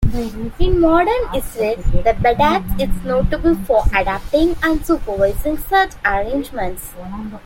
In modern Israel, the "badatz" is notable for adapting and supervising such arrangements.